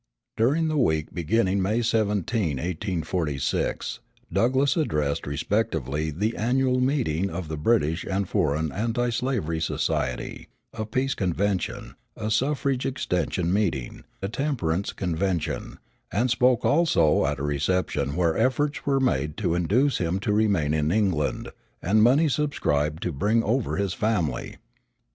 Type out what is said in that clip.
During the week beginning May 17, 1846, Douglass addressed respectively the annual meeting of the British and Foreign Anti slavery Society, a peace convention, a suffrage extension meeting, and a temperance convention, and spoke also at a reception where efforts were made to induce him to remain in England, and money subscribed to bring over his family.